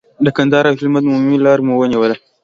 د کندهار او هلمند عمومي لار مو ونیوله.